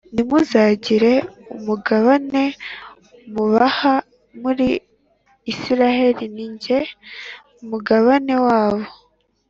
Ntimuzagire umugabane mubaha muri Isirayeli ni jye mugabane wabo